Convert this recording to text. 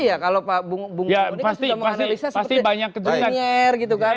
iya kalau pak bung boni sudah menganalisa seperti linier gitu kan